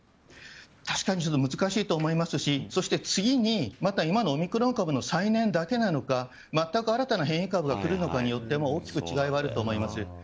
確かに難しいと思いますし次に、また今のオミクロン株の再燃だけなのか全く新たな変異株が来るかによっても違うと思います。